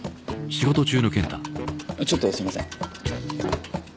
ちょっとすいません